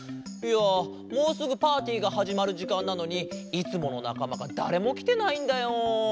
いやもうすぐパーティーがはじまるじかんなのにいつものなかまがだれもきてないんだよ。